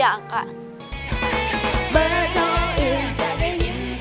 นี้เป็นรายการทั่วไปสามารถรับชมได้ทุกวัย